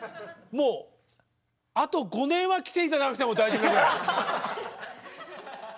もうあと５年は来て頂かなくても大丈夫なぐらい。